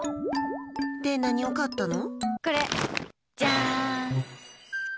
で、何を買ったの？